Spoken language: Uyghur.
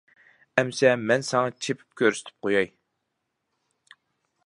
-ئەمىسە مەن ساڭا چېپىپ كۆرسىتىپ قوياي.